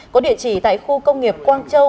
có địa chỉ tại khu công nghiệp quang châu